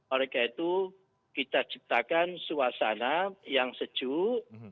oleh karena itu kita ciptakan suasana yang sejuk